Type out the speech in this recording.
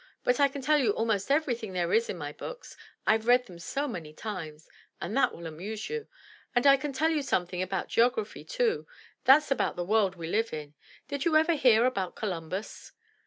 But I can tell you almost everything there is in my books, Fve read them so many times, and that will amuse you. And I can tell you something about Geography too, — that's about the world we live in. Did you ever hear about Columbus?"